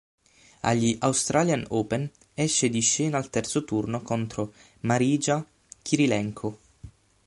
Agli Australian Open esce di scena al terzo turno contro Marija Kirilenko.